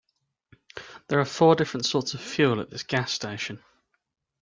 There are four different sorts of fuel at this gas station.